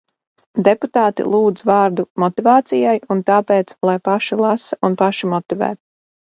Deputāti lūdz vārdu motivācijai, un tāpēc lai paši lasa un paši motivē.